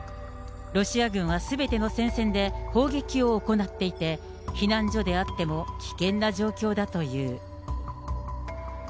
ロシア軍はすべての戦線で砲撃を行っていて、避難所であっても危険な状況だという。